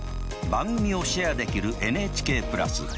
番組をシェアできるＮＨＫプラス。